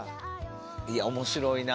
いや面白いな。